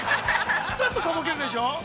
ずっととぼけるでしょう？